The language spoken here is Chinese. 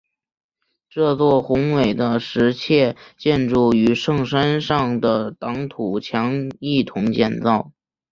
这座宏伟的石砌建筑与圣殿山的挡土墙一同建造。